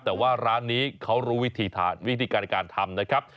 แต่ว่าร้านนี้เขารู้วิธีการในการทำนะครับ